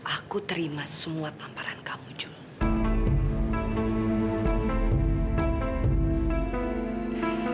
aku terima semua tamparan kamu juga